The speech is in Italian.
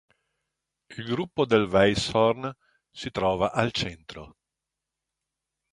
Il "Gruppo del Weisshorn" si trova al centro.